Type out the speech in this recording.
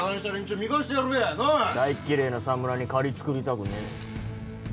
大っ嫌えな侍に借り作りたくねえ。